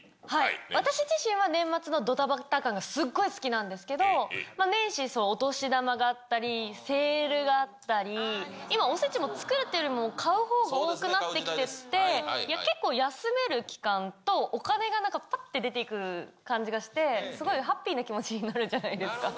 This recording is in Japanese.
私自身は年末のどたばた感がすっごい好きなんですけど、年始、お年玉があったり、セールがあったり、今、おせちも作るよりも買うほうが多くなってきてて、結構、休める期間と、お金がなんかぱって出ていく感じがして、すごいハッピーな気持ちになるじゃないですか。